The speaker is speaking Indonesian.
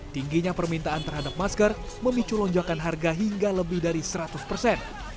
tingginya permintaan terhadap masker memicu lonjakan harga hingga lebih dari seratus persen